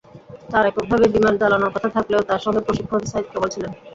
তাঁর এককভাবে বিমান চালানোর কথা থাকলেও তাঁর সঙ্গে প্রশিক্ষক সাইদ কামাল ছিলেন।